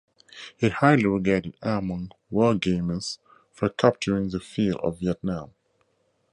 It highly regarded among wargamers for capturing the feel of Vietnam.